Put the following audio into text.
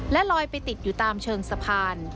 และลอยไปติดอยู่ตามเชิงสะพาน